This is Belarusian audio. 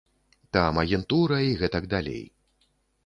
Там агентура і гэтак далей.